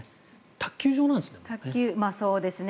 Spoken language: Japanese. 卓球場なんですね。